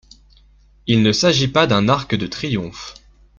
Il ne s'agit pas d'un arc de triomphe.